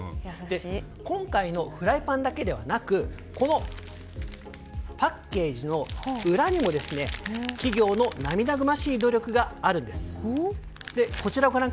今回のフライパンだけでなくパッケージにも企業の涙ぐましい努力があるんです。